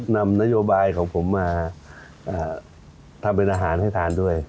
นำนโยบายของผมมาทำเป็นอาหารให้ทานด้วย